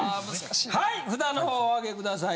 はい札の方おあげください。